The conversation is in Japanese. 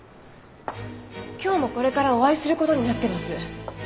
今日もこれからお会いする事になってます。